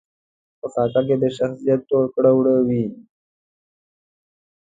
په خاکه کې د شخصیت ټول کړه وړه وي.